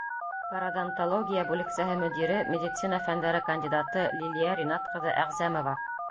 Пародонтология бүлексәһе мөдире, медицина фәндәре кандидаты Лилиә Ринат ҡыҙы ӘҒЗӘМОВА: